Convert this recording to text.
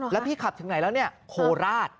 แล้วพี่ขับถึงไหนแล้วเนี่ยโคราช